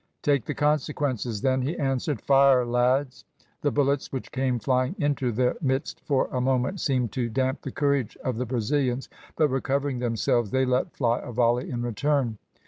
"Take the consequences, then," he answered; "fire, lads." The bullets which came flying into their midst for a moment seemed to damp the courage of the Brazilians, but recovering themselves they let fly a volley in return.